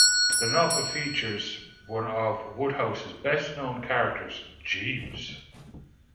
The novel features one of Wodehouse's best-known characters, Jeeves.